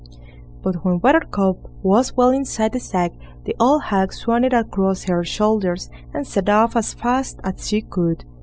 But when Buttercup was well inside the sack, the old hag swung it across her shoulders, and set off as fast as she could.